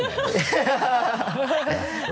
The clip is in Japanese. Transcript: ハハハ